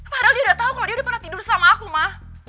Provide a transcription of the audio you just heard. padahal dia udah tahu kalau dia pernah tidur sama aku ma